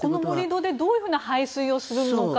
この盛り土でどういう排水をするのか。